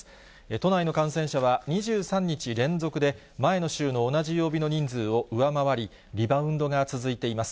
都内の感染者は２３日連続で前の週の同じ曜日の人数を上回り、リバウンドが続いています。